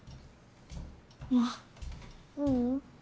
あううん。